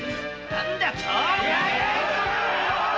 何だと！？